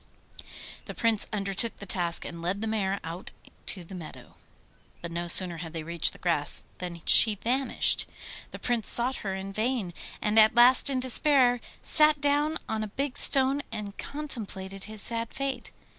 The Prince undertook the task and led the mare out to the meadow. But no sooner had they reached the grass than she vanished. The Prince sought for her in vain, and at last in despair sat down on a big stone and contemplated his sad fate.